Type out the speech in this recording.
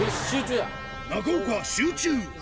中岡集中。